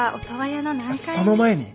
その前に。